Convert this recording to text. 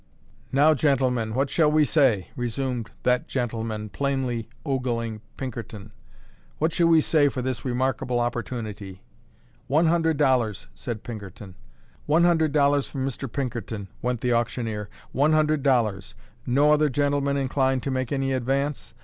"Now, gentlemen, what shall we say?" resumed that gentleman, plainly ogling Pinkerton, "what shall we say for this remarkable opportunity?" "One hundred dollars," said Pinkerton. "One hundred dollars from Mr. Pinkerton," went the auctioneer, "one hundred dollars. No other gentleman inclined to make any advance?